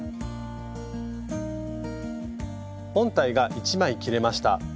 本体が１枚切れました。